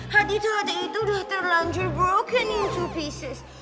hati tata itu udah terlanjur broken into pieces